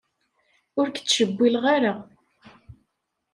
Ur k-ttcewwileɣ ara.